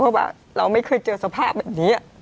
เพราะว่าเราไม่เคยเจอสภาพแบบนี้